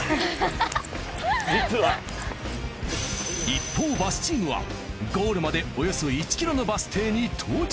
一方バスチームはゴールまでおよそ１ｋｍのバス停に到着。